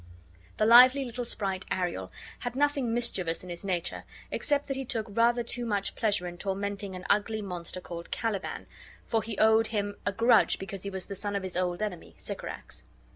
The lively little sprite Ariel had nothing mischievous in his nature, except that he took rather too much pleasure in tormenting an ugly monster called Caliban, for be owed him a grudge because he was the son of his old enemy Sycorax.